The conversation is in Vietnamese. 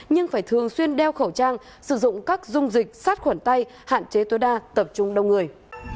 nhưng phải thường xuyên đeo khẩu trang sử dụng các dung dịch sát khuẩn tay hạn chế tối đa tập trung đông người